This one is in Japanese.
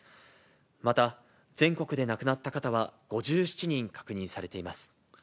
また、全国で亡くなった方は５７人確認されています。